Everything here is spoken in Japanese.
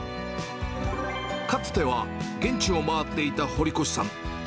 かつては現地を回っていた堀越さん。